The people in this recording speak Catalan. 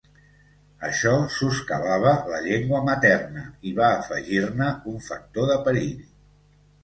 Això soscavava la llengua materna i va afegir-ne un factor de perill.